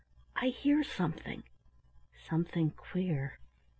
"I hear something something queer.